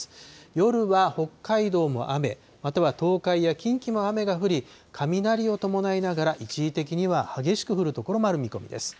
夜は北海道も雨、または東海や近畿も雨が降り、雷を伴いながら、一時的には激しく降る所もある見込みです。